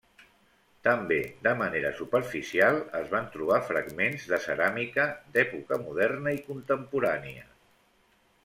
També, de manera superficial, es van trobar fragments de ceràmica d'època moderna i contemporània.